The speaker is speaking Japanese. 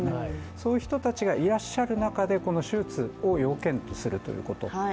そういう人たちがいらっしゃる中で手術を要件とするということ。